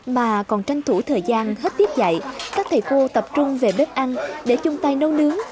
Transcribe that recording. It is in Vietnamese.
mà còn tranh thủ thời gian hết tiết dạy các thầy cô tập trung về bếp ăn để chung tay nấu nướng